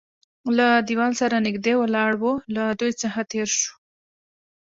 له دېوال سره نږدې ولاړ و، له دوی څخه تېر شوو.